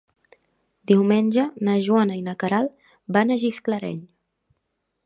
Diumenge na Joana i na Queralt van a Gisclareny.